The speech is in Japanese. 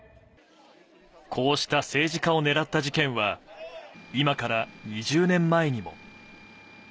こうした政治家を狙った事件は、今から２０年前にも。